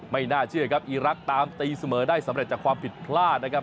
ไม่น่าเชื่อครับอีรักษ์ตามตีเสมอได้สำเร็จจากความผิดพลาดนะครับ